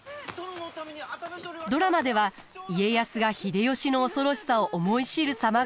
ドラマでは家康が秀吉の恐ろしさを思い知る様が描かれます。